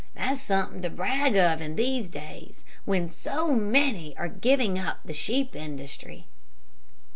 That's something to brag of in these days, when so many are giving up the sheep industry."